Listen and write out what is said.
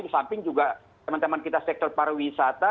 di samping juga teman teman kita sektor pariwisata